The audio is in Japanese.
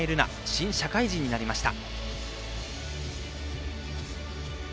新社会人になりました。